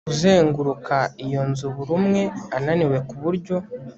kuzenguruka iyo nzu buri umwe ananiwe kuburyo